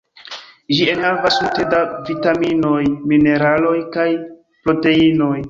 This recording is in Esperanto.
Ĝi enhavas multe da vitaminoj, mineraloj kaj proteinoj.